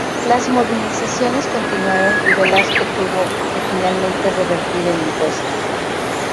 Las movilizaciones continuaron y Velasco tuvo que finalmente revertir el impuesto.